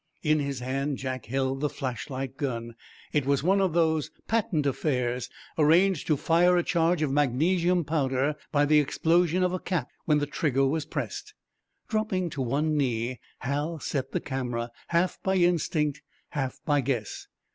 In his hand Jack held the flashlight "gun." It was one of those patent affairs, arranged to fire a charge of magnesium powder by the explosion of a cap when the trigger was pressed. Dropping to one knee, Hal set the camera, half by instinct, half by guess.